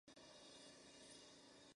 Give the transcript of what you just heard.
Fue hermano de Lucio Julio Julo.